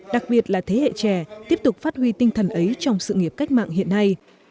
đặc biệt là thế hệ trẻ tiếp tục phát huy tinh thần ấy trong sự nghiệp cách mạng hiện nay